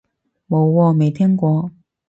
冇喎，未聽過